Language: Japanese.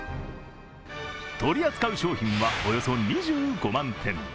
取り扱う商品はおよそ２５万点。